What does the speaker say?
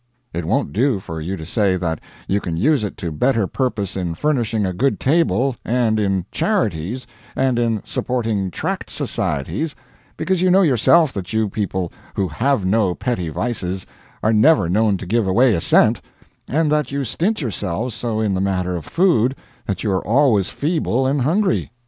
It won't do for you to say that you can use it to better purpose in furnishing a good table, and in charities, and in supporting tract societies, because you know yourself that you people who have no petty vices are never known to give away a cent, and that you stint yourselves so in the matter of food that you are always feeble and hungry.